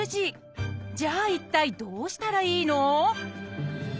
じゃあ一体どうしたらいいの？